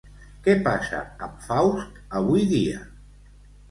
Què passa amb Faust avui dia?